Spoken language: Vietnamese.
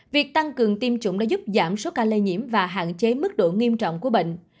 việc tăng cường tiêm chủng đã giúp giảm số ca lây nhiễm và hạn chế mức độ nghiêm trọng của bệnh